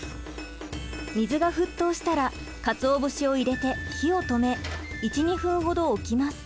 水が沸とうしたらかつお節を入れて火を止め１２分程置きます。